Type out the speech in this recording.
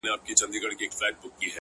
ژوند چي د سندرو سکه ورو دی لمبې کوې’